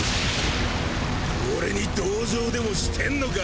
俺に同情でもしてんのか！？